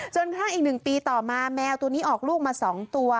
กระทั่งอีก๑ปีต่อมาแมวตัวนี้ออกลูกมา๒ตัว